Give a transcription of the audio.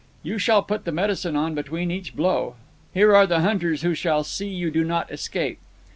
"You shall put the medicine on between each blow. Here are the hunters who shall see you do not escape.